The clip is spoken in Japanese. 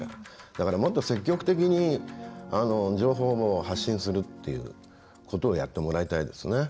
だから、もっと積極的に情報を発信するっていうことをやってもらいたいですね。